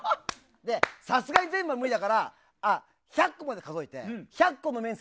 さすがに全部は無理だから１００個まで数えて１００個の面積